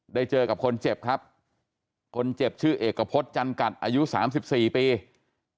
เจอกับคนเจ็บครับคนเจ็บชื่อเอกพฤษจันกัดอายุ๓๔ปี